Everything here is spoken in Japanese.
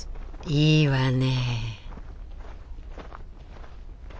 いいわね。